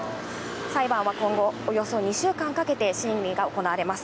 裁判は今後、およそ２週間かけて審理が行われます。